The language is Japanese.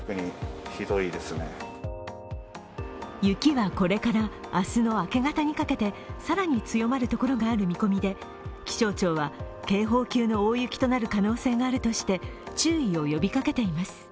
雪はこれから明日の明け方にかけて更に強まる所がある見込みで気象庁は、警報級の大雪となる可能性があるとして注意を呼びかけています。